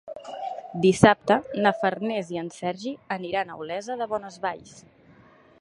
Dissabte na Farners i en Sergi aniran a Olesa de Bonesvalls.